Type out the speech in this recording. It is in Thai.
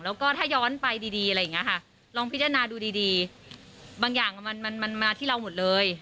แล้วก็ถ้าย้อนไปดีลองพิจารณาดูดีบางอย่างมันมาที่เราหมดเลย